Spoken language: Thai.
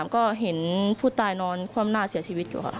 ก็เห็นผู้ตายนอนคว่ำหน้าเสียชีวิตอยู่ค่ะ